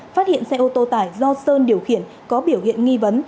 phát hiện xe ô tô tải do sơn điều khiển có biểu hiện nghi vấn